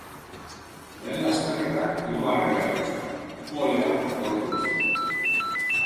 Lehen lasterketan hirugarren geratu zen, polea lortu ostean.